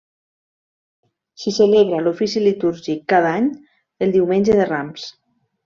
S'hi celebra l'ofici litúrgic cada any el Diumenge de Rams.